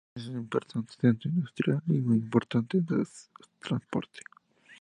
Es un importante centro industrial y un importante centro de transporte.